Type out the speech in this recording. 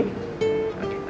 kita berdoa sama sama ya